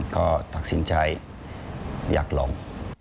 ก็ตัดสินใจอยากลอง